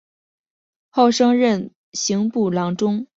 后升任刑部郎中。